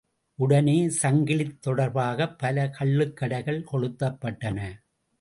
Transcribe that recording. உடனே சங்கிலித் தொடர்பாகப் பல கள்ளுக்கடைகள் கொளுத்தப்பட்டன.